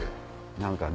何かね。